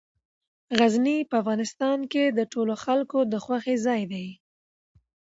غزني په افغانستان کې د ټولو خلکو د خوښې ځای دی.